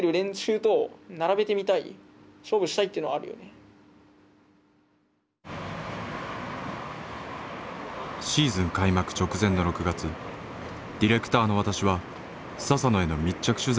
だからシーズン開幕直前の６月ディレクターの私は佐々野への密着取材を始めた。